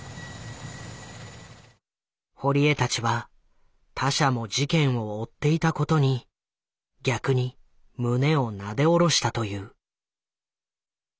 堀江たちは他社も事件を追っていたことに逆に胸をなで下ろしたという。